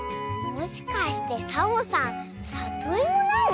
もしかしてサボさんさといもなの？